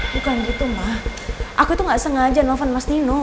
bukan gitu mah aku tuh gak sengaja nelpon mas nino